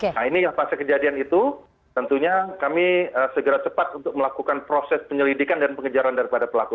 nah ini yang pas kejadian itu tentunya kami segera cepat untuk melakukan proses penyelidikan dan pengejaran daripada pelaku